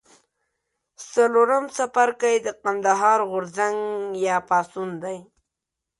څلورم څپرکی د کندهار غورځنګ یا پاڅون دی.